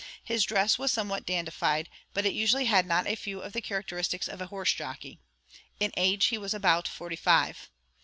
His dress was somewhat dandified, but it usually had not a few of the characteristics of a horse jockey; in age he was about forty five.